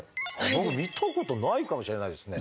僕見たことないかもしれないですね。